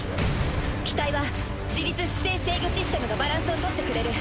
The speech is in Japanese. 機体は自律姿勢制御システムがバランスを取ってくれる。